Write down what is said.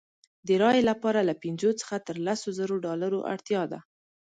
د رایې لپاره له پنځو څخه تر لسو زرو ډالرو اړتیا ده.